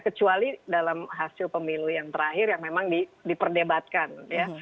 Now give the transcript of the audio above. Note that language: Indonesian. kecuali dalam hasil pemilu yang terakhir yang memang diperdebatkan ya